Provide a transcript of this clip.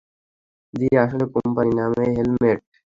জি, আসলে, কোম্পানির নামই হেলমেট।